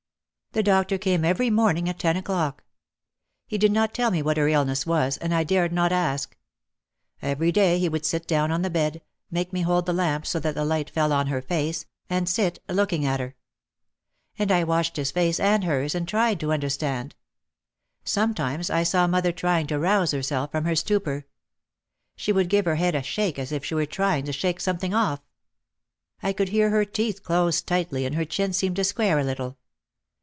The doctor came every morning at ten o'clock. He did not tell me what her illness was and I dared not ask. Every day he would sit down on the bed, make me hold the lamp so that the light fell on her face, and sk looking at her. And I watched his face and hers and tried to understand. Sometimes I saw mother trying to rouse herself from her stupor. She would give her head a shake as if she were trying to shake something off. I could hear her teeth close tightly and her chin seemed to square a little.